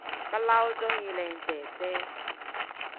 不嬲鍾意靚姐姐